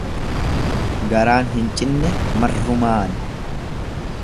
Garaan hin cinne marrumaani.